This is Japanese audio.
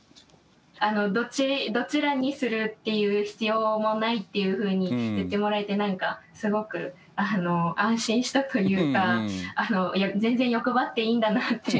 どちらにするっていう必要もないっていうふうに言ってもらえて何かすごく安心したというか全然欲張っていいんだなって思えました。